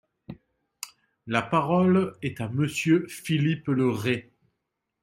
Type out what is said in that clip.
La parole est à Monsieur Philippe Le Ray.